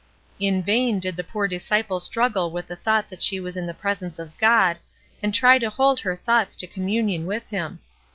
In vain did the poor disciple struggle with the thought that she was in the presence of God, and try to hold her thoughts to communion with him.